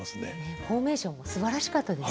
フォーメーションもすばらしかったですね。